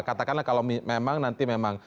katakanlah kalau memang nanti memang